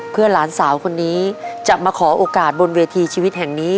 เพื่อหลานสาวคนนี้จะมาขอโอกาสบนเวทีชีวิตแห่งนี้